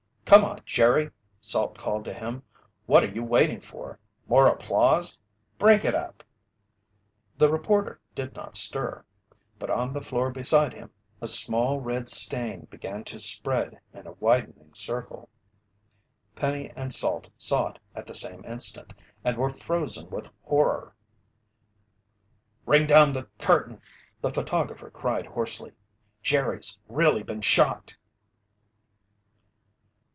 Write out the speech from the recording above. "Come on, Jerry!" Salt called to him. "What are you waiting for? More applause? Break it up!" The reporter did not stir. But on the floor beside him, a small red stain began to spread in a widening circle. Penny and Salt saw it at the same instant and were frozen with horror. "Ring down the curtain!" the photographer cried hoarsely. "Jerry's really been shot!"